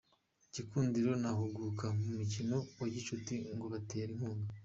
Gikundiro na Huguka mu mikino wa gicuti ngo batere inkunga